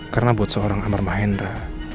karena buat seorang amar mahendra